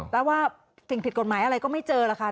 แล้วว่าสิ่งผิดกฎหมายอะไรก็ไม่เจอหรอกค่ะ